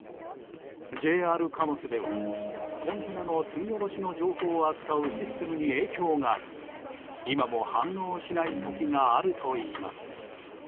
ＪＲ貨物ではコンテナの積み下ろしの情報を扱うシステムに影響があり、今も反応しない時があるといいます。